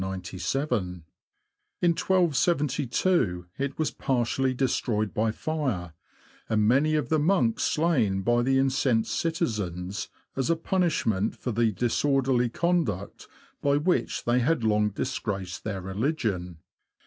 In 1272 it was partially destroyed by fire, and many of the monks slain by the incensed citizens, as a punishment for the disorderly conduct by which they had long dis graced their religion.